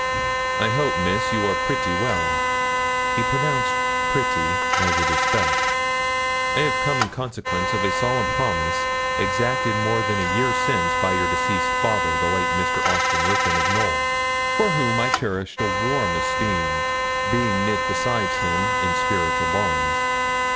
'I hope, Miss, you are pretty well?' He pronounced 'pretty' as it is spelt. 'I have come in consequence of a solemn promise exacted more than a year since by your deceased father, the late Mr. Austin Ruthyn of Knowl, for whom I cherished a warm esteem, being knit besides with him in spiritual bonds.